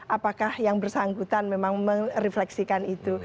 apakah yang bersangkutan memang merefleksikan itu